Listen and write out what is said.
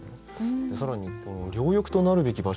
更に「両翼となるべき場所」